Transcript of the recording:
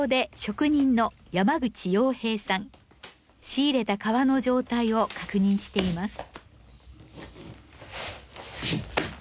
仕入れた革の状態を確認しています。